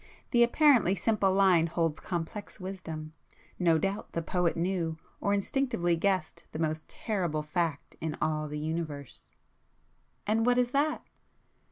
The apparently simple line holds complex wisdom; no doubt the poet knew, or instinctively guessed the most terrible fact in all the Universe ..." "And what is that?"